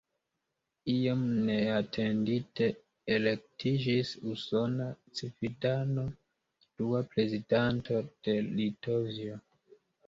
Iom neatendite elektiĝis usona civitano dua prezidanto de Litovio.